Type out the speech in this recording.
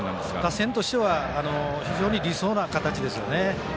打線としては非常に理想の形ですよね。